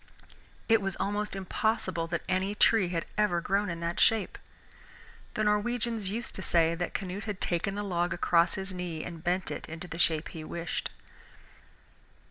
It was almost impossible that any tree had ever grown in that shape. The Norwegians used to say that Canute had taken the log across his knee and bent it into the shape he wished.